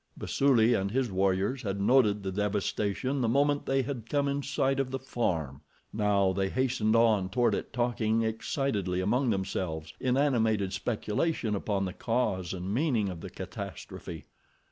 Basuli and his warriors had noted the devastation the moment they had come in sight of the farm. Now they hastened on toward it talking excitedly among themselves in animated speculation upon the cause and meaning of the catastrophe.